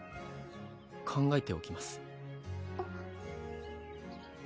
考えておきます